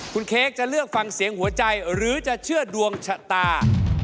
คุณเค้กจะเลือกฟังเสียงหัวใจหรือจะเชื่อดวงชะตา